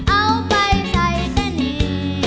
เอาไปใส่แค่นี้